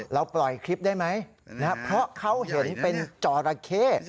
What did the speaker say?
เราปล่อยคลิปได้ไหมเพราะเขาเห็นเป็นจอราเข้